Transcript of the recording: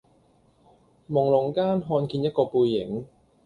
濛朧間看見一個背影